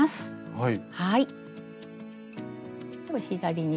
はい。